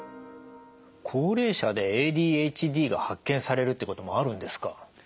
高齢者でＡＤＨＤが発見されるっていうこともあるんですか？